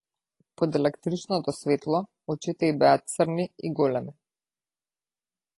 Под електричното светло очите и беа црни и големи.